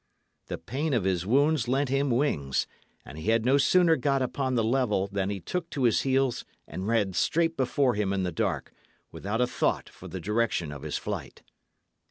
The pain of his wounds lent him wings; and he had no sooner got upon the level than he took to his heels and ran straight before him in the dark, without a thought for the direction of his flight.